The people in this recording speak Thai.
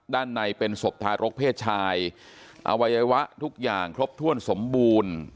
ด้านในเป็นศพทารกเพศชายอวัยวะทุกอย่างครบถ้วนสมบูรณ์